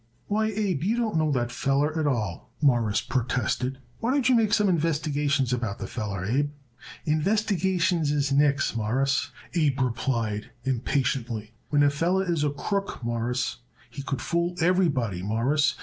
"Why, Abe, you don't know the feller at all," Morris protested. "Why don't you make some investigations about the feller, Abe?" "Investigations is nix, Mawruss," Abe replied impatiently. "When a feller is a crook, Mawruss, he could fool everybody, Mawruss.